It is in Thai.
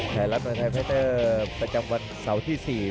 หัยรับหันวินไทยเฟนเตอร์ประจำวันเสาร์ที่๔